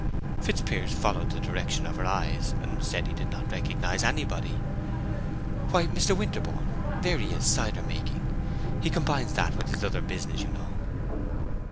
Fitzpiers followed the direction of her eyes, and said he did not recognize anybody. "Why, Mr. Winterborne—there he is, cider making. He combines that with his other business, you know."